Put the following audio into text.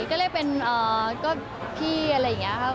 ก็เรียกเป็นก็พี่อะไรอย่างนี้ครับ